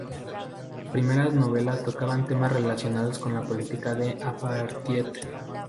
Sus primeras novelas tocaban temas relacionados con la política de "apartheid".